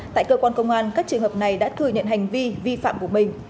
tại cơ quan công an các trường hợp này đã thừa nhận hành vi vi phạm của mình